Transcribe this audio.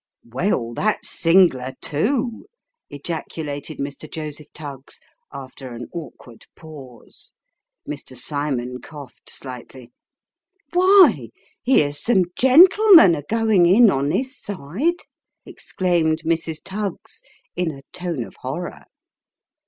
" Well, that's sing'ler, too !" ejaculated Mr. Joseph Tuggs, after an awkward pause. Mr. Cymon coughed slightly. " Why, here's some gentlemen a going in on this side," exclaimed Mrs. Tuggs, in a tone of horror.